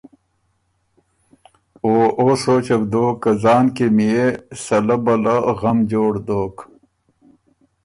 او او سوچه بو دوک که ځان کی ميې سلۀ بلۀ غم جوړ دوک۔